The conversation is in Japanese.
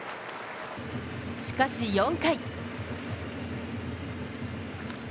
しかし、４回。